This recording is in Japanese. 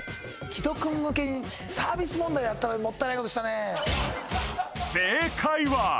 木戸くん向けにサービス問題だったのにもったいないことしたね